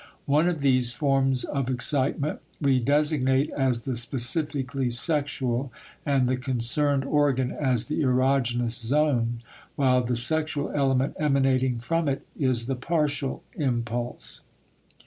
One of these forms of excitement we designate as the specifically sexual and the concerned organ as the erogenous zone, while the sexual element emanating from it is the partial impulse.